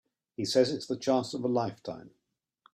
He says it's the chance of a lifetime.